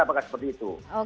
apakah seperti itu